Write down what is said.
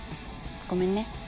ごめんね。